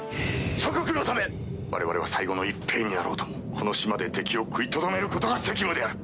祖国のため我々は最後の一兵になろうともこの島で敵を食いとどめることが責務である。